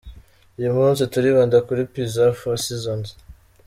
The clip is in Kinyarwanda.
Uyu munsi turibanda kuri Pizza Four Seasons.